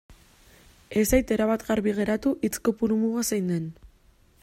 Ez zait erabat garbi geratu hitz kopuru muga zein den.